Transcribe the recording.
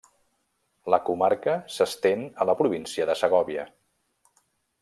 La comarca s'estén a la província de Segòvia.